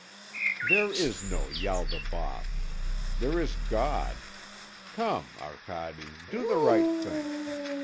"There is no Ialdabaoth. There is God. Come, Arcade, do the right thing.